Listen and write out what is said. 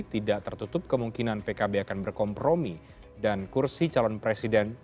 tidak tertutup kemungkinan pkb akan berkompromi dan kursi calon presiden